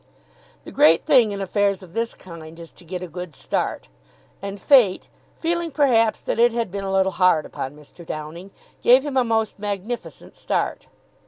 The great thing in affairs of this kind is to get a good start, and Fate, feeling perhaps that it had been a little hard upon Mr. Downing, gave him a most magnificent start.